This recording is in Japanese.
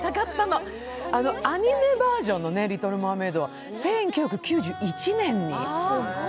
アニメバージョンの「リトル・マーメイド」は１９９１年に。